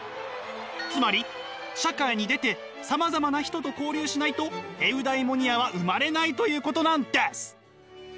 つまり社会に出てさまざまな人と交流しないとエウダイモニアは生まれないということなんです。